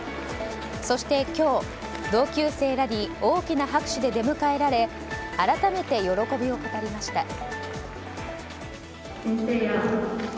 そして今日、同級生らに大きな拍手で出迎えられ改めて喜びを語りました。